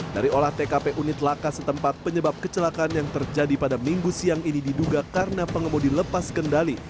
dari olah tkp unit laka setempat penyebab kecelakaan yang terjadi pada minggu siang ini diduga karena pengemudi lepas kendali